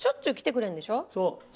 そう。